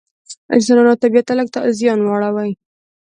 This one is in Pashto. انسانانو او طبیعت ته لږ زیان واړوي.